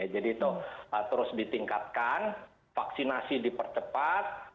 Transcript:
jadi itu terus ditingkatkan vaksinasi dipercepat